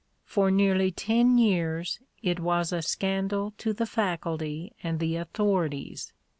For nearly ten years it was a scandal to the faculty and the authorities.